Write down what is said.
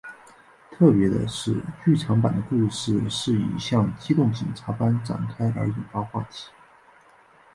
特别的是剧场版的故事是以像机动警察般展开而引发话题。